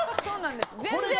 そうなんです。